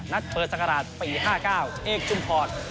นัดเปิดสังกราศปี๕๙เอกชุมพอร์ต